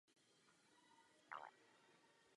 Občanským povoláním byl lékař.